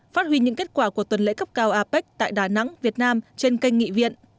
phát huy những kết quả của tuần lễ cấp cao apec tại đà nẵng việt nam trên kênh nghị viện